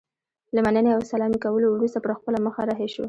له مننې او سلامي کولو وروسته پر خپله مخه رهي شو.